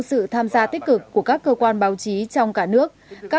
sự tham gia tích cực của các cơ quan báo chí trong cả nước các